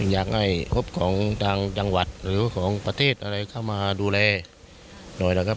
อยากให้งบของทางจังหวัดหรือของประเทศอะไรเข้ามาดูแลหน่อยนะครับ